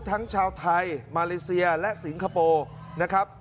ทั้งชาวไทยมาเลเซียและสิงคโปร์นะครับ